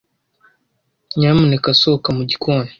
Nyamuneka sohoka mu gikoni.